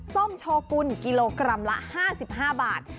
ส้มโชกุลกิโลกรัมละ๕๕บาท